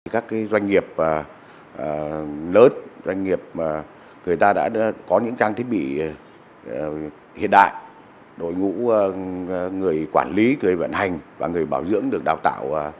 các doanh nghiệp lớn doanh nghiệp người ta đã có những trang thiết bị hiện đại đội ngũ người quản lý người vận hành và người bảo dưỡng được đào tạo